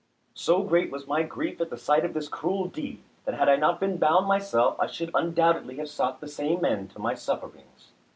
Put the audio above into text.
So great was my grief at the sight of this cruel deed, that had I not been bound myself I should undoubtedly have sought the same end to my sufferings.